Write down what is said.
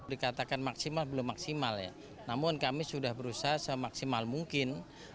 dikatakan maksimal belum maksimal ya namun kami sudah berusaha semaksimal mungkin